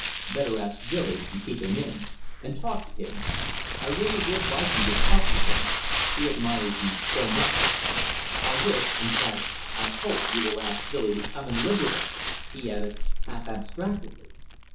"Better ask Billy; and keep him in, and talk to him I really would like you to talk to him. He admires you so much. I wish in fact I hope you will ask Billy to come and live with us," he added half abstractedly.